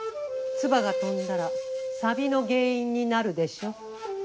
唾が飛んだらさびの原因になるでしょ。